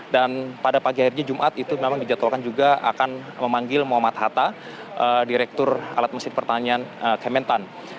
dan pada pagi akhirnya jumat itu memang dijatuhkan juga akan memanggil muhammad hatta direktur alat mesin pertanian kementan